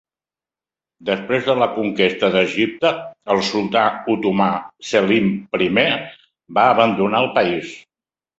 Després de la conquesta d'Egipte, el sultà otomà Selim Primer va abandonar el país.